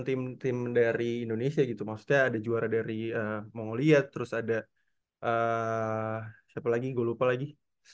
tim tim dari indonesia gitu maksudnya ada juara dari mongoliet terus ada siapa lagi gue lupa lagi